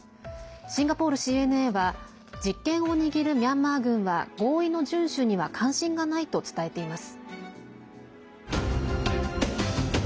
シンガポールＣＮＡは実権を握るミャンマー軍は合意の順守には関心がないと伝えています。